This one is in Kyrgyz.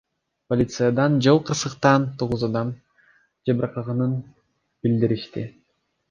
Полициядан жол кырсыктан тогуз адам жабыркаганын билдиришти.